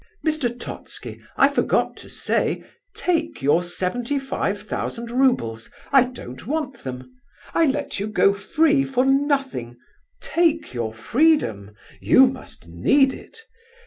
Mr. Totski, I forgot to say, 'Take your seventy five thousand roubles'—I don't want them. I let you go free for nothing—take your freedom! You must need it.